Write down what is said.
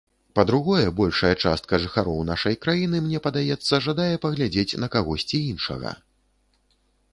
Па-другое, большая частка жыхароў нашай краіны, мне падаецца, жадае паглядзець на кагосьці іншага.